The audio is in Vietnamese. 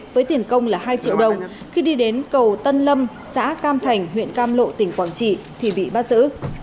với tiền công là hai triệu đồng khi đi đến cầu tân lâm xã cam thành huyện cam lộ tỉnh quảng trị thì bị bắt giữ